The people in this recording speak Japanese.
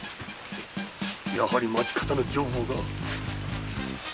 やはり町方の情報が。